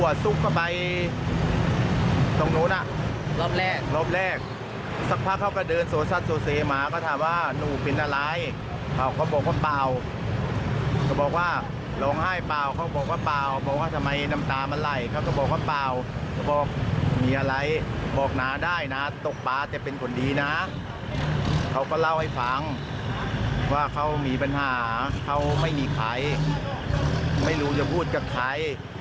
ว่าเขามีปัญหาเขาไม่มีใครไม่รู้จะพูดกับใคร